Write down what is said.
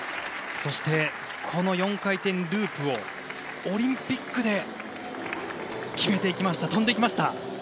そしてこの４回転ループをオリンピックで決めてきました。